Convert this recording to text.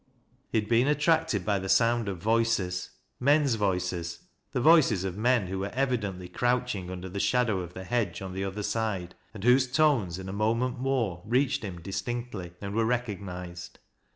He had been attracted by the sound of voices — men's voices — the voices of men who were evidently crouching under the shadow of the hedge on the other side, and whose tones in a moment more reached him distinctly and were recognized.